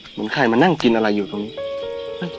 เหมือนใครมานั่งกินอะไรอยู่ตรงนี้